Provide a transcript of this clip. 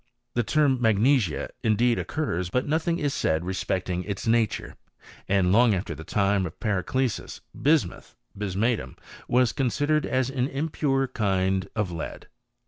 The term magnesia indeed occurs, but nothing is said respecting its nature : and long after the time of Paracelsus, bismuth {bisematum). was considered as an impure kind of lead.